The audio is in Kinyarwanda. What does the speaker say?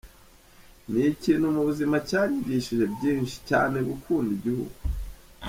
Ni ikintu mu buzima cyanyigishije byinshi, cyane gukunda igihugu.”